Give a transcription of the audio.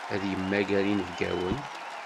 Ad yemmager inebgawen.